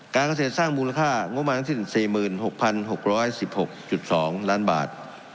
การเกษตรสร้างมูลค่างบมาทั้งสิ้น๔๖๖๑๖๒ล้านบาท